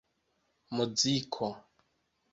muziko